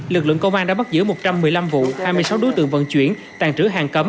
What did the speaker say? lực lượng công an đã bắt giữ một trăm một mươi năm vụ hai mươi sáu đối tượng vận chuyển tàn trữ hàng cấm